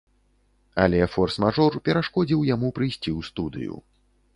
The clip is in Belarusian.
Але форс-мажор перашкодзіў яму прыйсці ў студыю.